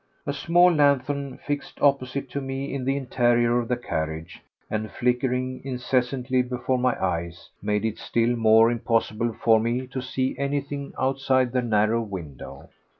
A small lanthorn fixed opposite to me in the interior of the carriage, and flickering incessantly before my eyes, made it still more impossible for me to see anything outside the narrow window.